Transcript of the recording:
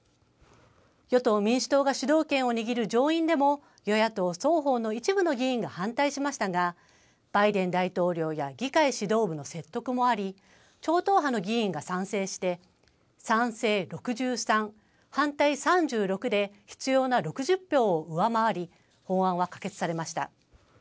与党・民主党が主導権を握る上院でも与野党双方の一部の議員が反対しましたがバイデン大統領や議会指導部の説得もあり、超党派の議員が賛成して、賛成６３、反対３６で必要な６０票を上回り法案は可決されました。